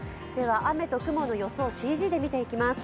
雨の雲の予想をＣＧで見ていきます。